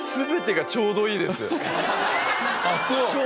あっそう。